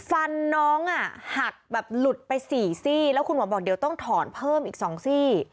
ฟันน้องอ่ะหักแบบหลุดไปสี่ซี่แล้วคุณหมอบอกเดี๋ยวต้องถอนเพิ่มอีก๒ซี่